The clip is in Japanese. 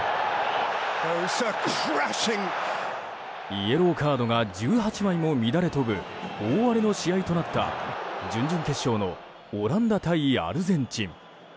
イエローカードが１８枚も乱れ飛ぶ大荒れの試合となった準々決勝のオランダ対アルゼンチン。